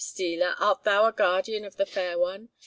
(Ah, sheep stealer, art thou a guardian of the fair one?